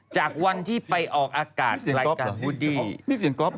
จากวันที่ไปออกอากาศเสียงก๊อฟูดดี้นี่เสียงก๊อฟ